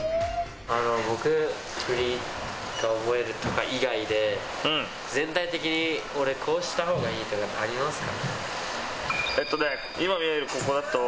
僕、振りとか覚える以外で、全体的にこうしたほうがいいところありますか？